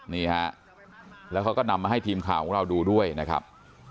นี่ฮะแล้วเขาก็นำมาให้ทีมข่าวของเราดูด้วยนะครับ